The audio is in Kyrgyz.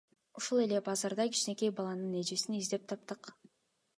Ушул эле базарда кичинекей баланын эжесин издеп таптык.